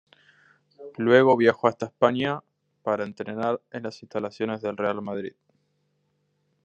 Luego viajó hasta España para entrenar en las instalaciones del Real Madrid.